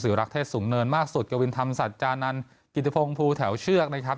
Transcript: สิวรักษณ์เทศสูงเนินมากสุดเกวินธรรมสัจจานันท์กิตุพงภูเที่ยวเชือกนะครับ